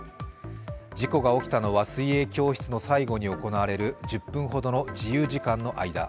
事故が起きたのは水泳教室の最後に行われる１０分ほどの自由時間の間。